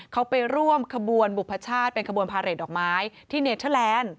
เขาไปร่วมขบวนบุพชาติเป็นขบวนพาเรทดอกไม้ที่เนเทอร์แลนด์